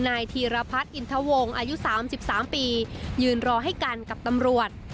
นายธีรพัฒน์อินทวงอายุ๓๓ปียืนรอให้กันกับตำรวจ